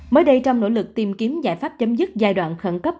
mới đây trong nỗ lực tìm kiếm giải pháp chấm dứt giai đoạn khẩn cấp